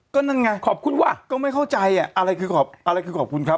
ก็นั่นไงขอบคุณว่ะก็ไม่เข้าใจอ่ะอะไรคือขอบอะไรคือขอบคุณเขา